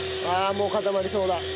ああもう固まりそうだ！